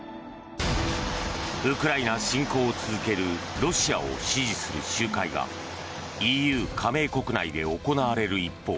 ウクライナ侵攻を続けるロシアを支持する集会がＥＵ加盟国内で行われる一方